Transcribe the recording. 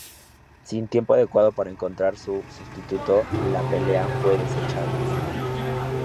Sin tiempo adecuado para encontrar un sustituto, la pelea fue desechada.